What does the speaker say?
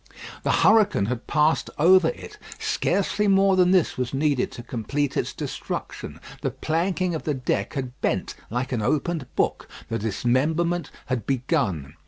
The hurricane had passed over it. Scarcely more than this was needed to complete its destruction. The planking of the deck had bent like an opened book. The dismemberment had begun.